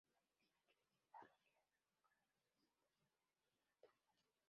Una pequeña iglesia parroquial está dedicada a la Presentación de Jesús en el Templo.